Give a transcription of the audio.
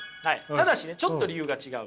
ただしねちょっと理由が違う。